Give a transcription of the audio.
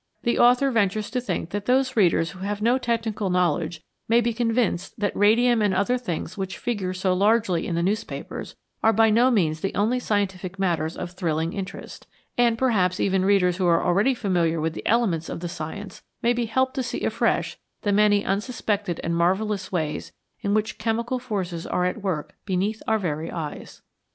The author ventures to think that those readers who have no technical knowledge may be convinced that radium and other things which figure so largely in the newspapers are by no means the only scientific matters of thrilling interest ; and perhaps even readers who are already familiar with the elements of the science may be helped to see afresh the many unsuspected and marvellous ways in which chemical forces arc at work beneath our very eyes.